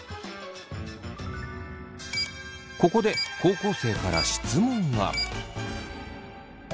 ここで高校生から質問が。